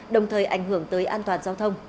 đồng thời ảnh hưởng tới an toàn giao thông